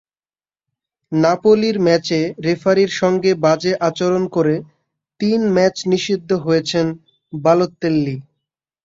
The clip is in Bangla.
নাপোলির ম্যাচে রেফারির সঙ্গে বাজে আচরণ করে তিন ম্যাচ নিষিদ্ধ হয়েছেন বালোতেল্লি।